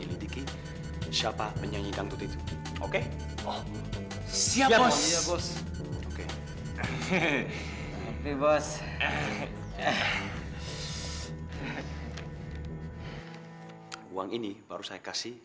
ianya lihat tuan gak sih